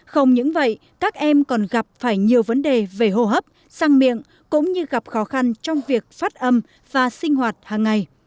không những vậy các em còn gặp phải nhiều vấn đề về hô hấp sang miệng cũng như gặp khó khăn trong việc phát âm và sinh hoạt hàng ngày